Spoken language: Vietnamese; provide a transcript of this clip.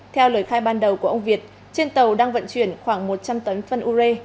theo lời khai ban đầu của ông việt trên tàu đang vận chuyển khoảng một trăm linh tấn phân u rê